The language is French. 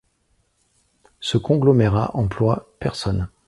Ce conglomérat emploie personnes.